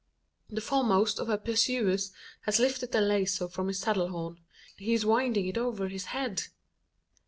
The foremost of her pursuers has lifted the lazo from his saddle horn: he is winding it over his head!